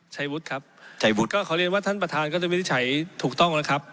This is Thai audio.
ชายุทธครับชายุทธก็ขอเรียนว่าท่านประธานก็จะไม่ได้ใช้ถูกต้องแล้วครับ